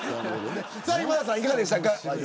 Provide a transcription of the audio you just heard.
今田さん、いかがでしたか。